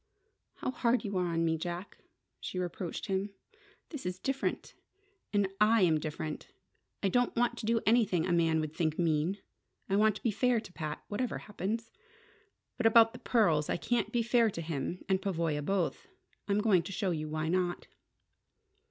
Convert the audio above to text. "How hard you are to me, Jack!" she reproached him. "This is different. And I am different. I don't want to do anything a man would think mean. I want to be fair to Pat, whatever happens. But about the pearls I can't be fair to him and Pavoya both. I'm going to show you why not."